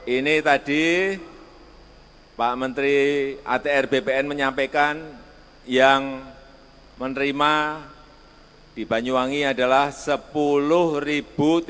ini tadi pak menteri atr bpn menyampaikan yang menerima di banyuwangi adalah sepuluh ribu